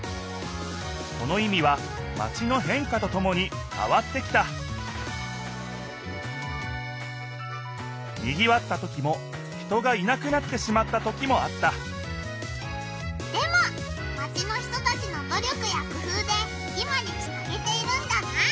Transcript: その意味はマチの変化とともにかわってきたにぎわったときも人がいなくなってしまったときもあったでもマチの人たちのど力や工夫で今につなげているんだな。